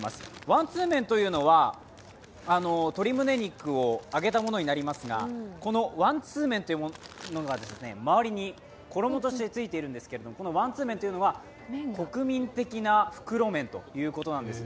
ワンツーメンというのは、鶏むね肉を揚げたものなりますが、このワンツーメンというものが周りに衣としてついているんですけどワンツーメンというのが国民的な袋麺ということなんです。